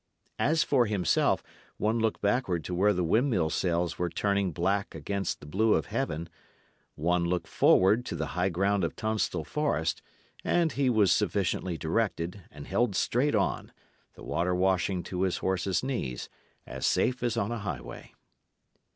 As for himself, one look backward to where the windmill sails were turning black against the blue of heaven one look forward to the high ground of Tunstall Forest, and he was sufficiently directed and held straight on, the water washing to his horse's knees, as safe as on a highway.